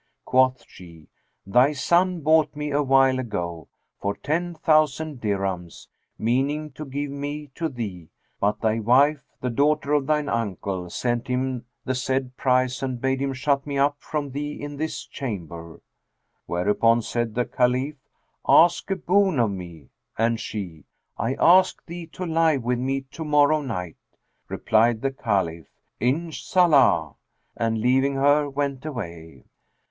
Quoth she "Thy son bought me awhile ago, for ten thousand dirhams, meaning to give me to thee; but thy wife, the daughter of thine uncle, sent him the said price and bade him shut me up from thee in this chamber." Whereupon said the Caliph, "Ask a boon of me," and she, "I ask thee to lie with me to morrow night." Replied the Caliph, "Inshallah!" and leaving her, went away.